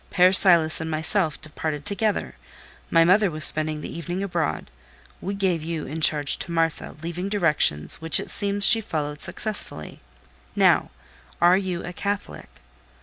Père Silas and myself departed together, my mother was spending the evening abroad; we gave you in charge to Martha, leaving directions, which it seems she followed successfully. Now, are you a Catholic?"